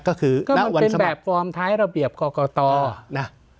ก็คือมันเป็นแบบฟอร์มท้ายระเบียบก่อก่อต่อนะฮะ